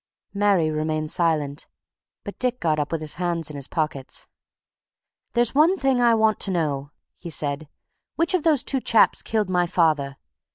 Mary remained silent, but Dick got up with his hands in his pockets. "There's one thing I want to know," he said. "Which of those two chaps killed my father?